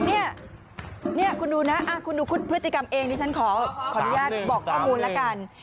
นี่คุณดูนะคุณดูพฤติกรรมเองดิฉันขออนุญาตบอกข้อมูลละกัน